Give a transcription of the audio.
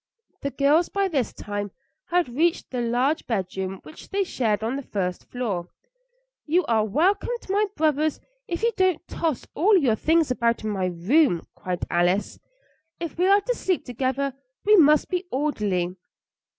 The girls by this time had reached the large bedroom which they shared on the first floor. "You are welcome to my brothers if you don't toss all your things about in my room," cried Alice. "If we are to sleep together we must be orderly."